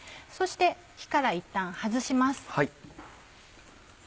そして火からいったん外します。